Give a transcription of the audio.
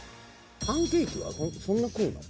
パンケーキはそんな食うの？